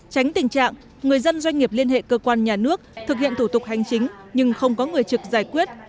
tránh tình trạng người dân doanh nghiệp liên hệ cơ quan nhà nước thực hiện thủ tục hành chính nhưng không có người trực giải quyết